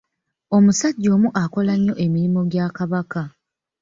Omusajja omu akola nnyo emirimu gya Kabaka.